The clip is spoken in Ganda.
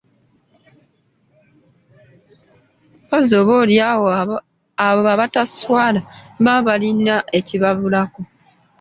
Mpozzi oba oli awo abo abataswala baba balina ekibabulako!